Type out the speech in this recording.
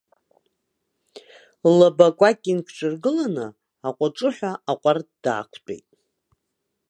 Ллаба акәакь инкҿаргыланы, аҟәаҿыҳәа аҟәардә даақәтәеит.